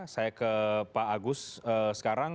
saya ke pak agus sekarang